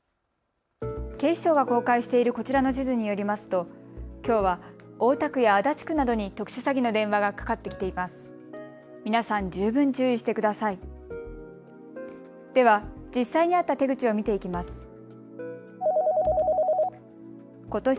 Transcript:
警視庁が公開しているこちらの地図によりますと、きょうは大田区や足立区などに特殊詐欺の電話がかかってきています。